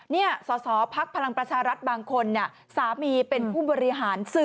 นี่สสพลังประชารัฐบางคนสามีเป็นผู้บริหารสื่อ